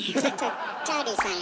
チャーリーさんや！